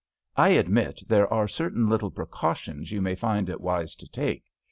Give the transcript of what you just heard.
I admit there are certain little precautions you may find it wise to take.